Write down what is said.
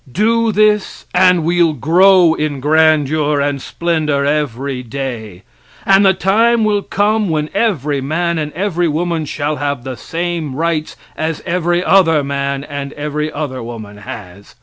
Do this, and we'll grow in grandeur and splendor every day, and the time will come when every man and every woman shall have the same rights as every other man and every other woman has.